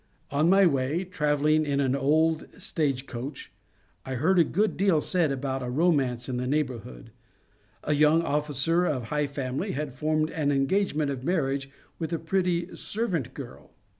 On my way, travelling on an old stage coach, I heard a good deal said about a romance in the neighbourhood. A young officer of high famUy had formed an engagement of marriage with a pretty " servant girl."